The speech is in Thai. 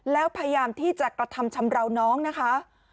แล้วพยายามที่จะกระทำชำราวน้องนะคะ